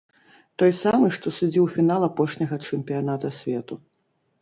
Той самы, што судзіў фінал апошняга чэмпіяната свету.